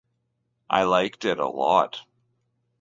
I liked it a lot.